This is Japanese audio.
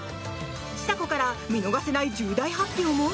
ちさ子から見逃せない重大発表も？